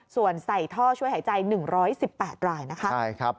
ส่วนใส่ท่อช่วยหายใจ๑๑๘รายนะคะ